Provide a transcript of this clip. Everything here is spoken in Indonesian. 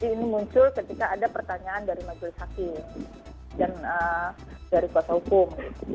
ini muncul ketika ada pertanyaan dari majelis hakim dan dari kuasa hukum